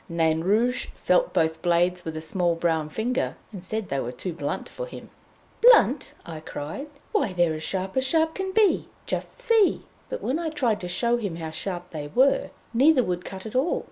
Nain Rouge felt both blades with a small brown finger, and said they were too blunt for him. "Blunt?" I cried. "Why, they're as sharp as sharp can be! Just see!" But when I tried to show him how sharp they were, neither would cut at all.